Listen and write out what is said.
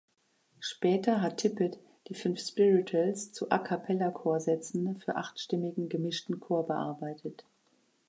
Später hat Tippett die fünf Spirituals zu a-cappella-Chorsätzen für achtstimmigen gemischten Chor bearbeitet.